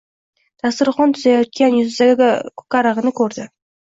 Dasturxon tuzayotgan yuzidagi ko‘karig‘ni ko‘rdi.